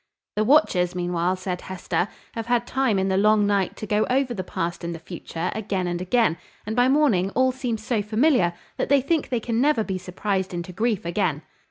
"The watchers, meanwhile," said Hester, "have had time in the long night to go over the past and the future, again and again; and by morning all seems so familiar, that they think they can never be surprised into grief again."